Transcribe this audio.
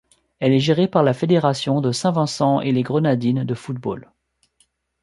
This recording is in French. Elle est gérée par la Fédération de Saint-Vincent-et-les-Grenadines de football.